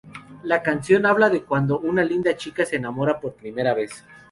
La canción habla de cuando una linda chica se enamora por primera vez.